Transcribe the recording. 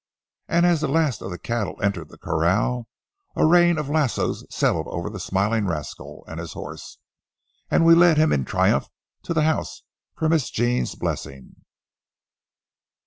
And as the last of the cattle entered the corral, a rain of lassos settled over the smiling rascal and his horse, and we led him in triumph to the house for Miss Jean's blessing.